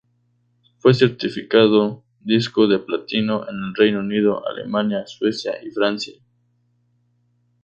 Fue certificado disco de platino en el Reino Unido, Alemania, Suecia y Francia.